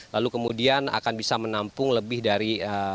lalu kemudian akan bisa menampung lebih dari